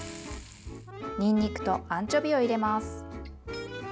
にんにくとアンチョビを入れます。